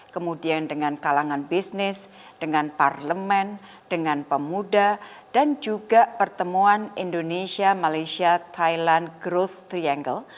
kemudian dengan kalangan bisnis dengan parlemen dengan pemuda dan juga pertemuan indonesia malaysia thailand growth triangle